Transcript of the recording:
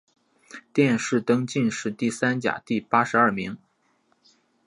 殿试登进士第三甲第八十二名。